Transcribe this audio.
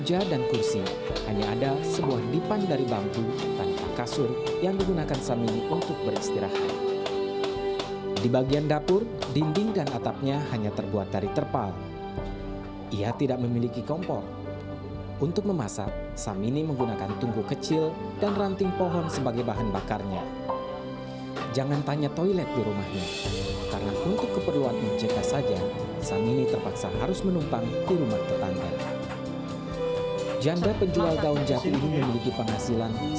janda penjual daun jati ini memiliki penghasilan sepuluh ribu per hari